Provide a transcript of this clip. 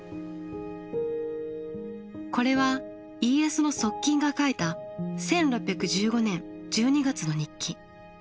これは家康の側近が書いた１６１５年１２月の日記。